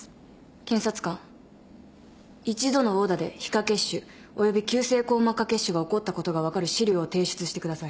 検察官１度の殴打で皮下血腫および急性硬膜下血腫が起こったことが分かる資料を提出してください。